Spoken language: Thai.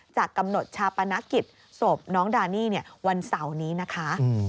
จะกำหนดชาปนกิจศพน้องดานี่วันเสาร์นี้นะคะ